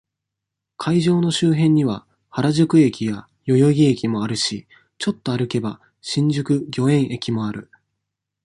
会場の周辺には、原宿駅や、代々木駅もあるし、ちょっと歩けば、新宿御苑駅もある。